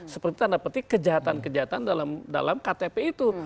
seperti tanda petik kejahatan kejahatan dalam ktp itu